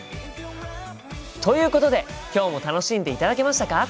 ということで今日も楽しんでいただけましたか？